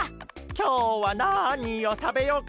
きょうはなにをたべようか。